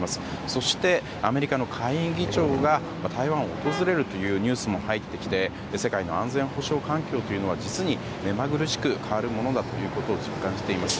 そして、アメリカの下院議長が台湾を訪れるというニュースも入ってきて世界の安全保障環境は実に目まぐるしく変わるものだということを実感しています。